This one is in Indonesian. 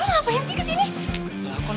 apanya sih di jackie